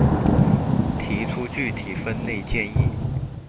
提出具體分類建議